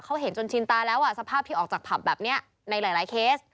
เขาเห็นจนชินตาแล้วสภาพที่ออกจากผับแบบนี้ในหลายเคส